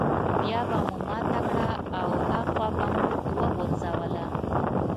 بيا به مو ماته کړه او هاخوا به مو وغورځوله.